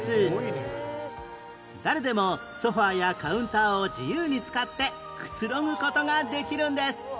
誰でもソファやカウンターを自由に使ってくつろぐ事ができるんです